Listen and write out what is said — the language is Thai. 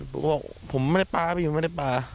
ผมก็บอกผมไม่ได้ปลาไปอยู่ไม่ได้ปลา